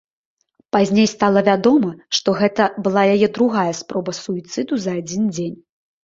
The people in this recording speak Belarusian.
Пазней стала вядома, што гэта была яе другая спроба суіцыду за адзін дзень.